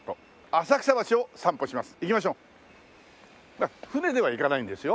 あっ船では行かないんですよ